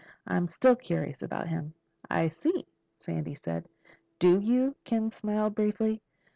I'm still curious about him." "I see," Sandy said. "Do you?" Ken smiled briefly.